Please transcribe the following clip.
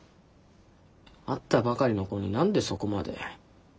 会ったばかりの子に何でそこまで。